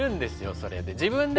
それで。